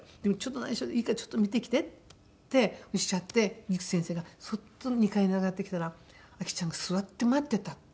「内緒でいいからちょっと見てきて」っておっしゃって悠木先生がそっと２階に上がってきたら「亜紀ちゃんが座って待ってた」って。